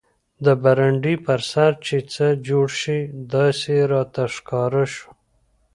د برنډې پر سر چې څه جوړ شي داسې راته ښکاره شو.